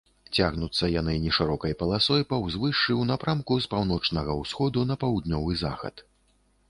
Цягнуцца яны нешырокай паласой па ўзвышшы ў напрамку з паўночнага ўсходу на паўднёвы захад.